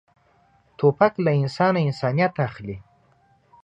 توپک له انسانه انسانیت اخلي.